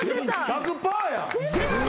１００％やん。